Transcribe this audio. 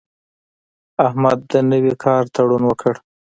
احمد د نوي کار تړون وکړ.